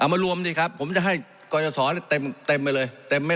เอามารวมสิครับผมจะให้กรยาศรเต็มเม็ดไปเลย